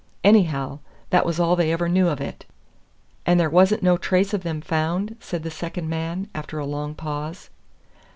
Anyhow, that was all they ever knew of it." "And there wasn't no trace of them found?" said the second man, after a long pause.